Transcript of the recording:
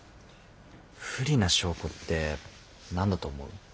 不利な証拠って何だと思う？